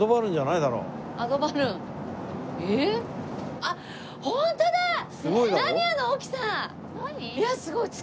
いやすごい月。